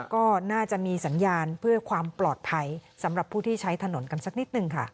ก็น่าจะมีสัญญาณเพื่อความปลอดภัยสำหรับผู้ที่ใช้ถนนกันสักนิดนึงค่ะ